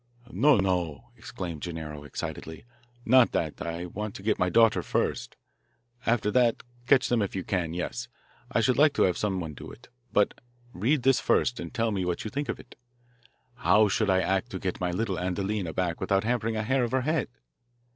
"No, no!" exclaimed Gennaro excitedly. "Not that. I want to get my daughter first. After that, catch them if you can yes, I should like to have someone do it. But read this first and tell me what you think of it. How should I act to get my little Adelina back without harming a hair of her head?"